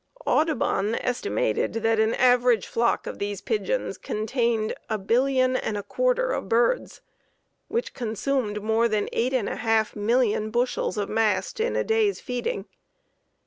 Audubon estimated that an average flock of these pigeons contained a billion and a quarter of birds, which consumed more than eight and a half million bushels of mast in a day's feeding.